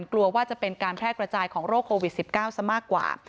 กลัวว่าจะเป็นการแพร่กระจายของโรคโควิด๑๙ซะมากกว่า